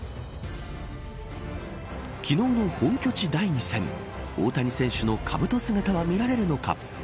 昨日の本拠地第２戦大谷選手のかぶと姿は見られるのか。